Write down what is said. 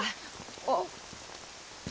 あっ。